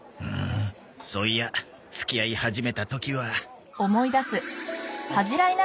そういや付き合い始めた時は